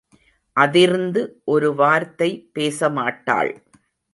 அதிர்ந்து ஒரு வார்த்தை பேசமாட்டாள்.